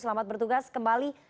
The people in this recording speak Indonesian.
selamat bertugas kembali